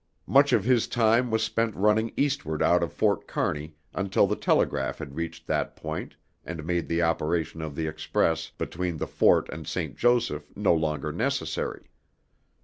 Much of his time was spent running eastward out of Fort Kearney until the telegraph had reached that point and made the operation of the Express between the fort and St. Joseph no longer necessary.